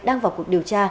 đang vào cuộc điều tra